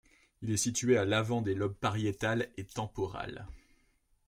Il est situé à l'avant des lobes pariétal et temporal.